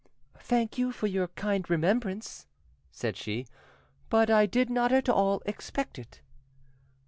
"Thank you for your kind remembrance," said she, "but I did not at all expect it."